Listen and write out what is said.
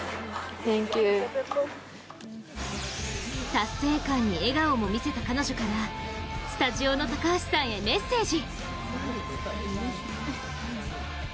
達成感に笑顔も見せた彼女からスタジオの高橋さんへメッセージ。